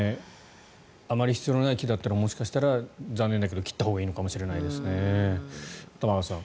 あまり必要のない木だったら、もしかしたら残念だけど切ったほうがいいのかもしれないですね。